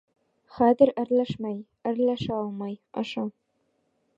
— Хәҙер әрләшмәй... әрләшә алмай, аша.